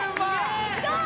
すごい！